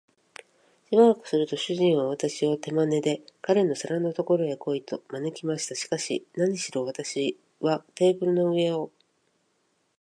しばらくすると、主人は私を手まねで、彼の皿のところへ来い、と招きました。しかし、なにしろ私はテーブルの上を